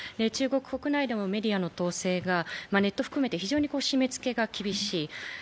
中国国内でもメディアの統制がネットを含めて非常に締めつけが厳しい。